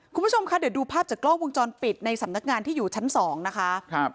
คุณผู้ชมคะเดี๋ยวดูภาพจากกล้องวงจรปิดในสำนักงานที่อยู่ชั้นสองนะคะ